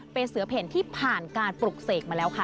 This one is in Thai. เป็นเสือเพ่นที่ผ่านการปลุกเสกมาแล้วค่ะ